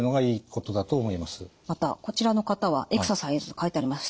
またこちらの方はエクササイズ書いてあります。